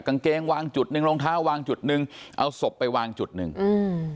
กางเกงวางจุดหนึ่งรองเท้าวางจุดหนึ่งเอาศพไปวางจุดหนึ่งอืม